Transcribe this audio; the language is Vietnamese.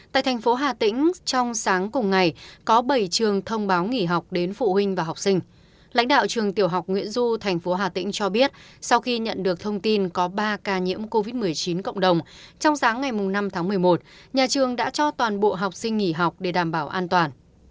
trong sáng ngày năm tháng một mươi một nhà trường đã cho toàn bộ học sinh nghỉ học để đảm bảo an toàn